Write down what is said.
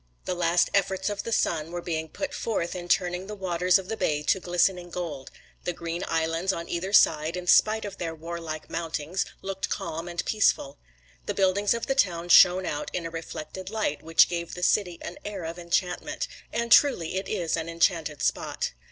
The last efforts of the sun were being put forth in turning the waters of the bay to glistening gold; the green islands on either side, in spite of their warlike mountings, looked calm and peaceful; the buildings of the town shone out in a reflected light which gave the city an air of enchantment; and, truly, it is an enchanted spot.